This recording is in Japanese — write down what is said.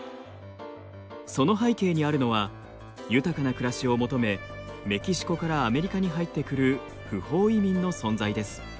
その背景にあるのは豊かな暮らしを求めメキシコからアメリカに入ってくる不法移民の存在です。